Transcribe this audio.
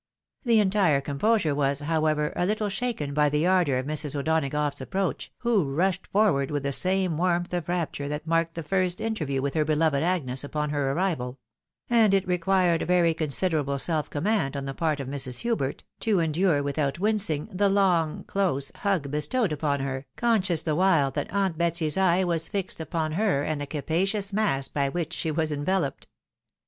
This entire composure was, however, a little shaken by the ardour of Mrs. O'Donagough's approach, who rushed forward with the same warmth of rapture that marked the first inter view with her beloved Agnes upon her arrival ; and it required very considerable self command on the part of Mrs. Hubert to J!i> A QUIZZICAL OLD LADT. 147 endure without ■wincing the long, close hug bestowed upon her, conscious the Hrhile that aunt Betsy's eye was fixed upon her and the capacious mass by which she was enveloped.